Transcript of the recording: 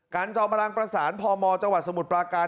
การจอมพลังประสานพมจสมุทรประการ